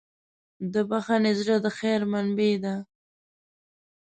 د بښنې زړه د خیر منبع ده.